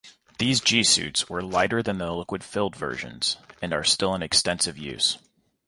These g-suits were lighter than the liquid-filled versions and are still in extensive use.